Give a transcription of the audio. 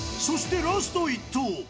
そしてラスト１投。